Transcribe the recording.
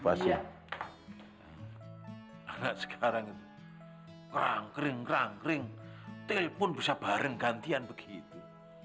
pasang sekarang kerangkering kerangkering telepon bisa bareng gantian begitu